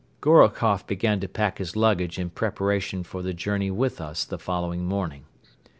Gorokoff began to pack his luggage in preparation for the journey with us the following morning.